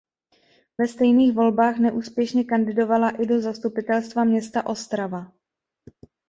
Ve stejných volbách neúspěšně kandidovala i do zastupitelstva města Ostrava.